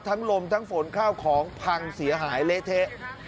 ลมทั้งฝนข้าวของพังเสียหายเละเทะ